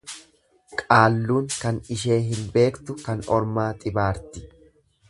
Qaalluun kan ishee hin beektu kan Ormaa xibaarti.